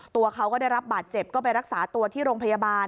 ตัวเขาก็ได้รับบาดเจ็บก็ไปรักษาตัวที่โรงพยาบาล